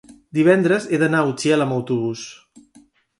Divendres he d'anar a Utiel amb autobús.